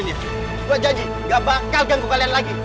dan saya akan pergi darikampung ini